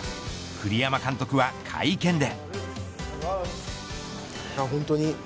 栗山監督は会見で。